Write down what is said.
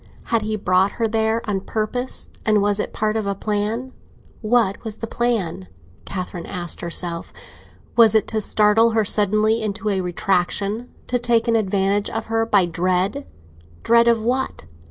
Had he brought her there on purpose, and was it part of a plan? What was the plan? Catherine asked herself. Was it to startle her suddenly into a retractation—to take an advantage of her by dread? Dread of what?